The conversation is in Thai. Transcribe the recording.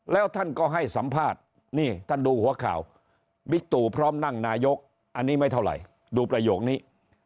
แล้วท่านก็ให้สัมภาษณ์นี่ท่านดูหัวข่าวบิ๊กตู่พร้อมนั่งนายกอันนี้ไม่เท่าไหร่ดูประโยคนี้